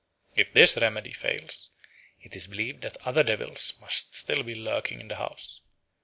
If this remedy fails, it is believed that other devils must still be lurking in the house.